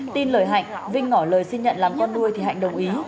tin lời hạnh vinh ngỏ lời xin nhận làm con nuôi thì hạnh đồng ý